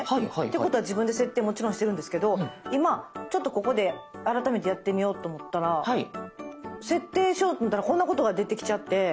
ていうことは自分で設定もちろんしてるんですけど今ちょっとここで改めてやってみようと思ったら設定しようと思ったらこんなことが出てきちゃって。